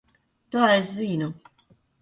To es zinu.